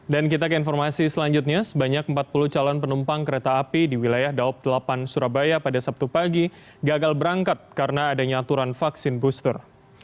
dan kita ke informasi selanjutnya sebanyak empat puluh calon penumpang kereta api di wilayah daob delapan surabaya pada sabtu pagi gagal berangkat karena adanya aturan vaksin booster